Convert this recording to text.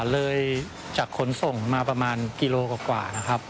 เลยจากขนส่งมาประมาณกิโลกว่านะครับ